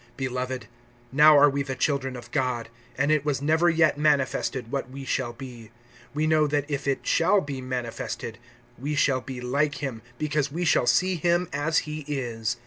(2)Beloved, now are we the children of God, and it was never yet manifested what we shall be. We know that if it shall be manifested, we shall be like him, because we shall see him as he is.